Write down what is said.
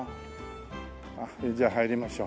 じゃあ入りましょう。